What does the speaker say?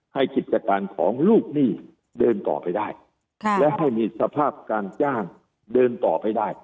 กิจการของลูกหนี้เดินต่อไปได้และให้มีสภาพการจ้างเดินต่อไปได้